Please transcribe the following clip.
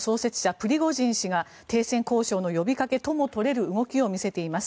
プリゴジン氏が停戦交渉の呼びかけとも取れる動きを見せています。